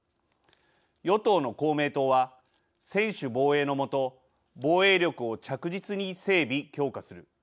与党の公明党は専守防衛の下防衛力を着実に整備・強化する。